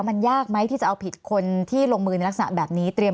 มันยากไหมที่จะเอาผิดคนที่ลงมือในลักษณะแบบนี้เตรียม